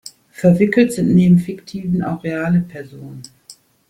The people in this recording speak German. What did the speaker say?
Verwickelt sind neben fiktiven auch reale Personen.